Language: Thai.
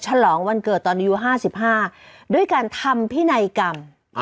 ฉลองวันเกิดตอนอายุห้าสิบห้าด้วยการทำพินัยกรรมอ๋อ